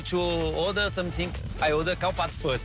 ชอบบ้างหรือครับ